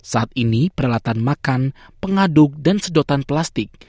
saat ini peralatan makan pengaduk dan sedotan plastik